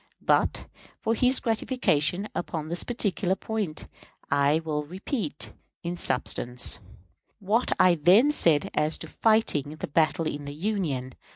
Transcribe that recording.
But, for his gratification upon this particular point, I will repeat, in substance, what I then said as to fighting the battle in the Union.